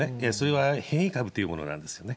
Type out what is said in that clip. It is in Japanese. それは変異株というものなんですよね。